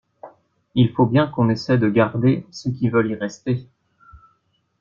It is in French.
Il faut bien qu’on essaie de garder ceux qui veulent y rester.